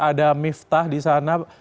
ada miftah di sana